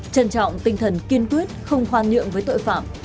trân trọng tinh thần kiên quyết không khoan nhượng với tội phạm